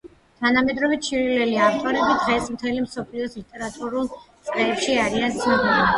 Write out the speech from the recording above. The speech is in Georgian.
თანამედროვე ჩილელი ავტორები დღეს მთელი მსოფლიოს ლიტერატურულ წრეებში არიან ცნობილნი.